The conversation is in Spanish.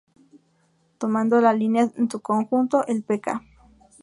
Tomando la línea en su conjunto el pk.